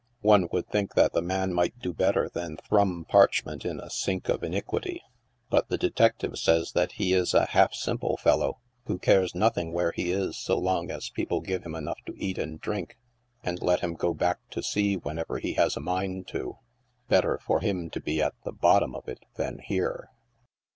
One would think that the man might do better than thrum parchment in a sink of iniquity ; but the detective says that he is a half simple fellow, who cares nothing where he is so long as people give him enough to eat and drink, and let him go back to sea whenever be has a mind to. Better for him to be at the bottom of it than here.